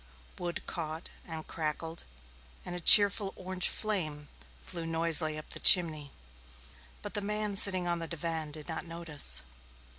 Wood caught and crackled and a cheerful orange flame flew noisily up the chimney, but the man sitting on the divan did not notice.